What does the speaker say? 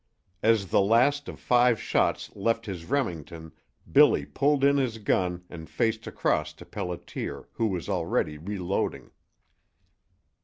As the last of five shots left his Remington Billy pulled in his gun and faced across to Pelliter, who was already reloading.